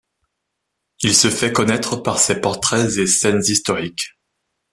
Il se fait connaître par ses portraits et scènes historiques.